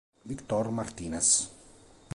Victor Martinez